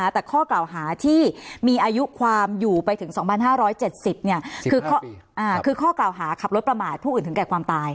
แต่ข้อกล่าวหาที่มีอายุความอยู่ไปถึง๒๕๗๐คือข้อกล่าวหาขับรถประมาทผู้อื่นถึงแก่ความตาย